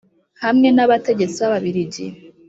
Hamwe n abategetsi b ababirigi